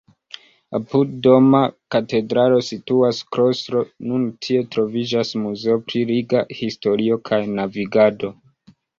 Apud Doma Katedralo situas klostro, nun tie troviĝas Muzeo pri Riga historio kaj navigado.